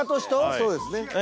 「そうですね」